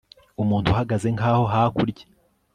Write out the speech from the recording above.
umuntu uhagaze nkaho hakurya